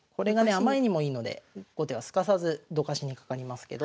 あまりにもいいので後手はすかさずどかしにかかりますけど。